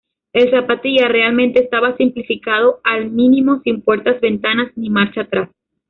El "Zapatilla" realmente estaba simplificado al mínimo, sin puertas, ventanas ni marcha atrás.